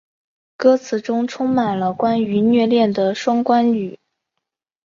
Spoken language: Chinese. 歌词中充满了关于虐恋的双关语。